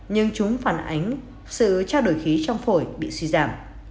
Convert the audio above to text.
nhưng chúng phản ánh sự trao đổi khí trong phổi bị suy giảm